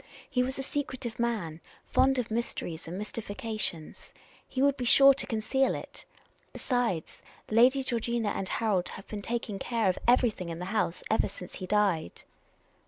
He was a secretive man, fond of mysteries and mystifications. He would be sure to conceal it. Besides, Lady Georgina and Harold have been taking care of every thing in the house ever since he died."